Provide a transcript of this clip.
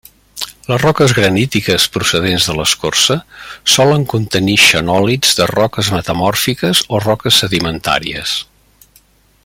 Les roques granítiques procedents de l'escorça, solen contenir xenòlits de roques metamòrfiques o roques sedimentàries.